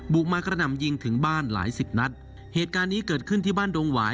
มากระหน่ำยิงถึงบ้านหลายสิบนัดเหตุการณ์นี้เกิดขึ้นที่บ้านดงหวาย